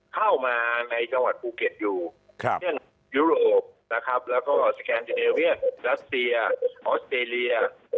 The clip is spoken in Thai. เข้ามาในจังหวัดภูเก็ตอยู่เช่นยุโรปนะครับแล้วก็สแกนยูเนเวียนรัสเซียออสเตรเลีย